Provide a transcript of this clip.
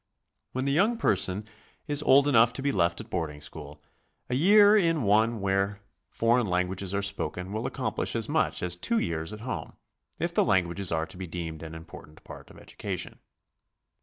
When the young person is old enough to be left at boarding school, a year in one where foreign lan guages are spoken will accomplish as much as two years at home, if the languages are to be deemed an important part of education.